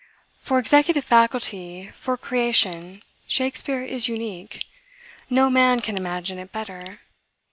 For executive faculty, for creation, Shakspeare is unique. No man can imagine it better.